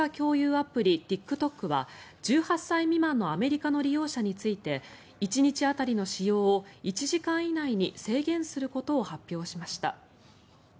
アプリＴｉｋＴｏｋは１８歳未満のアメリカの利用者について１日当たりの使用を１時間以内に制限することを発表しました。